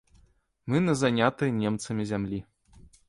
Мы на занятай немцамі зямлі.